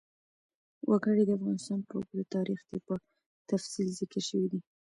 وګړي د افغانستان په اوږده تاریخ کې په تفصیل ذکر شوی دی.